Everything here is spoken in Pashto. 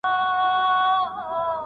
ایا تولیدي مؤسسې خپل کار ته دوام ورکوي؟